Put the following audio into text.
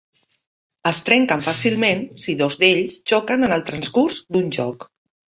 Es trenquen fàcilment si dos d'ells xoquen en el transcurs d'un joc.